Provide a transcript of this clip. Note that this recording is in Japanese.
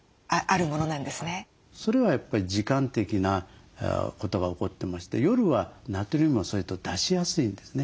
それはやっぱり時間的なことが起こってまして夜はナトリウムを出しやすいんですね。